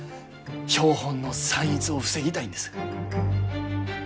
標本の散逸を防ぎたいんです。